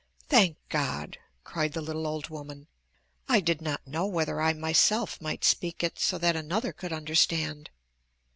"Thank God!" cried the little old woman. "I did not know whether I myself might speak it so that another could understand.